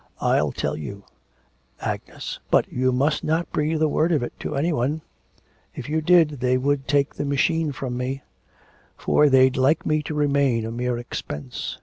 I'll tell you, Agnes, but you must not breathe a word of it to any one, if you did, they would take the machine from me: for they'd like me to remain a mere expense.